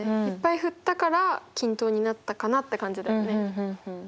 いっぱい振ったから均等になったかなって感じだよね。